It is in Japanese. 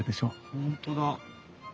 本当だ。